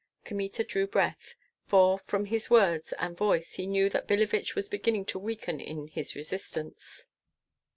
Kmita drew breath; for, from his words and voice he knew that Billevich was beginning to weaken in his resistance.